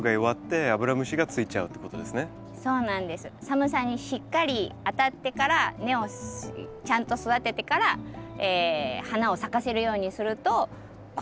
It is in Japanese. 寒さにしっかりあたってから根をちゃんと育ててから花を咲かせるようにするとこんな感じ。